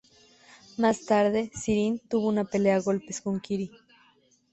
Más tarde, Siryn tuvo una pelea a golpes con Kitty.